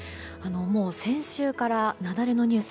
先週から雪崩のニュース